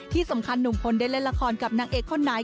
ที่สำคัญหนุ่มพลได้เล่นละครกับนางเอกคนไหน